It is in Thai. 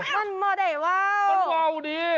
มันไม่ได้วาว